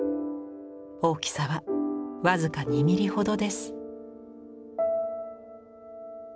大きさは僅か２ミリほどです。